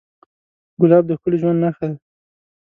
ګلاب د ښکلي ژوند نښه ده.